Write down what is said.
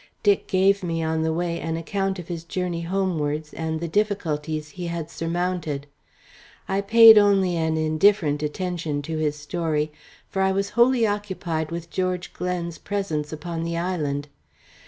Dick gave me on the way an account of his journey homewards and the difficulties he had surmounted. I paid only an indifferent attention to his story, for I was wholly occupied with George Glen's presence upon the island.